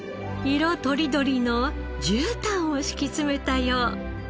色とりどりのじゅうたんを敷き詰めたよう。